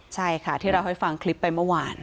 ใช่ค่ะที่เราให้ฟังคลิปไปเมื่อวาน